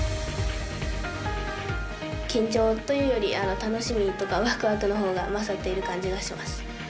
緊張というより楽しみとかワクワクのほうが勝っている感じがします。